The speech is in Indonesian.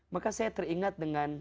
maka saya teringat dengan